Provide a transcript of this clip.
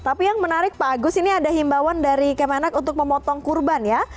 tapi yang menarik pak agus ini ada himbawan dari kemenak untuk memotong kurban ya